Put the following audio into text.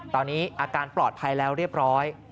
ตอนนี้อาการปลอดภัยแล้วเรียบร้อย